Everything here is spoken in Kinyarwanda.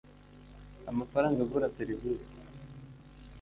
amafaranga agura serivisi.